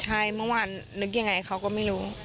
ใช่เมื่อวานนึกยังไงเขาก็ไม่รู้